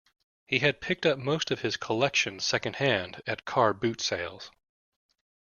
He had picked up most of his collection second-hand, at car boot sales